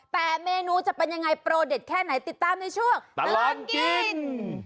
แต่เมนูจะเป็นยังไงโปรเด็ดแค่ไหนติดตามในช่วงตลอดกิน